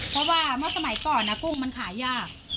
เพราะว่าเมื่อสมัยก่อนนะกุ้งมันขายยาก